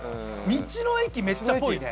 道の駅めっちゃぽいね。